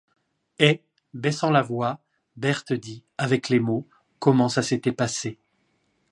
Et, baissant la voix, Berthe dit, avec les mots, comment ça s’était passé.